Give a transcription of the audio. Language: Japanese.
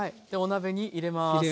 でお鍋に入れます。